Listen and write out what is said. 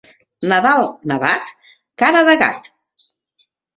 Nadal nevat, cara de gat.